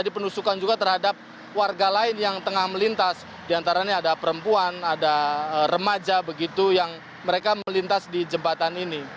di sini sedang terjadi penusukan juga terhadap warga lain yang tengah melintas di antaranya ada perempuan ada remaja begitu yang mereka melintas di jembatan ini